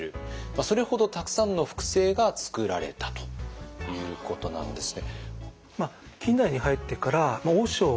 それほどたくさんの複製が作られたということなんですね。